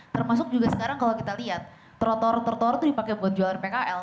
termasuk juga sekarang kalau kita lihat trotor trotoar itu dipakai buat jualan pkl